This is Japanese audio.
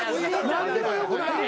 何でもよくないねん。